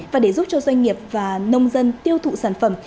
và để giúp cho doanh nghiệp và nông dân tiêu thụ sản phẩm